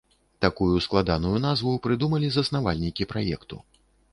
Такую складаную назву прыдумалі заснавальнікі праекту.